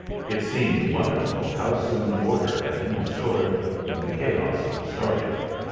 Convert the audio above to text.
It seemed wonderful how soon order had been restored from the chaos of the starting.